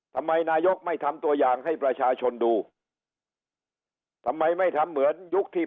ทำไมนายกไม่ทำตัวอย่างให้ประชาชนดูทำไมไม่ทำเหมือนยุคที่